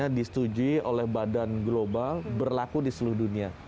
yang disetujui oleh badan global berlaku di seluruh dunia